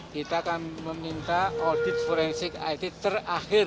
kita akan meminta audit forensik it terakhir